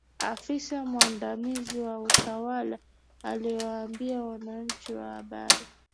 afisa mwandamizi wa utawala aliwaambia waandishi wa habari